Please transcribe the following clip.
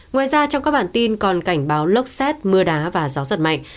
ngoài ra trong các bản tin còn cảnh báo lốc xét mưa đá và gió giật mạnh